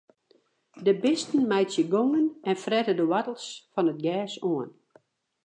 De bisten meitsje gongen en frette de woartels fan it gers oan.